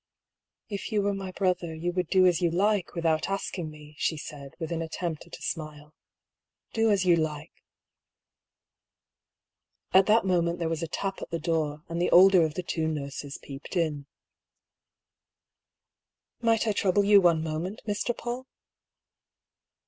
" If you were my brother, you would do as you like without asking me," she said, with an attempt at a smile. " Do as you like." At that moment there was a tap at the door, and the older of the two nurses peeped in. THE LOCKET. 117 " Might I trouble you one moment, Mr. Paull